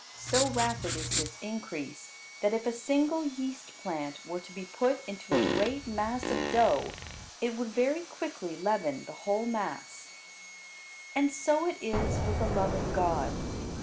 So rapid is this increase, that if a single yeast plant were to be put into a great mass of dough it would very quickly leaven the whole mass. And so it is with the love of God.